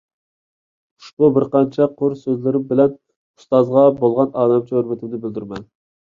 ئۇشبۇ بىرقانچە قۇر سۆزلىرىم بىلەن ئۇستازغا بولغان ئالەمچە ھۆرمىتىمنى بىلدۈرىمەن.